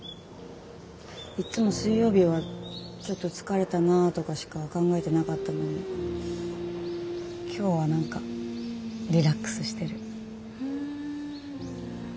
いっつも水曜日はちょっと疲れたなとかしか考えてなかったのに今日は何かリラックスしてる。